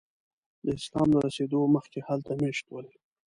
د اسلام له رسېدو مخکې هلته میشته ول.